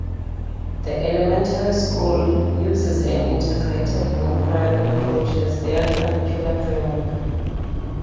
The Elementary School uses an integrated inquiry approach as their curricular framework.